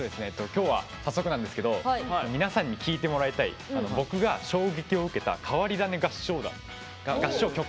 今日は早速なんですけど皆さんに聴いてもらいたい僕が衝撃を受けた変わり種合唱曲